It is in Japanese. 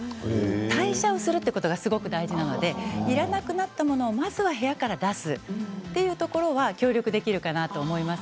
代謝をするということがすごく大事なのでいらなくなったものを、まずは部屋から出すそこは協力できるかなと思います。